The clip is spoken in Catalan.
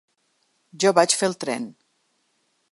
Jo vaig fer el tren.